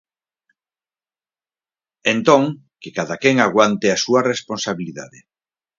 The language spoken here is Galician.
Entón, que cadaquén aguante a súa responsabilidade.